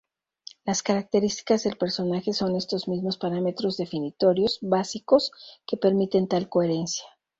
Las características del personaje son estos mismos parámetros definitorios básicos que permiten tal coherencia.